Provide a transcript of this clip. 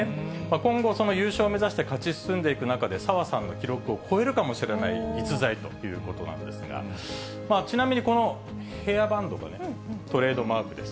今後、優勝を目指して勝ち進んでいく中で、澤さんの記録を超えるかもしれない逸材ということなんですが、ちなみにこのヘアバンドがね、トレードマークです。